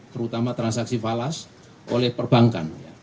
terutama transaksi falas oleh perbankan